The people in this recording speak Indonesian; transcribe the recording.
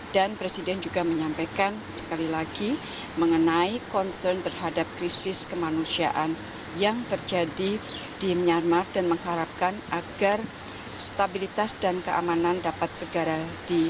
dan presiden juga menyampaikan sekali lagi mengenai concern berhadap krisis kemanusiaan yang terjadi di myanmar dan mengharapkan agar stabilitas dan keamanan dapat segera dipulihkan